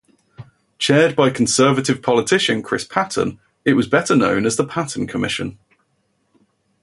Chaired by Conservative politician Chris Patten, it was better known as the Patten Commission.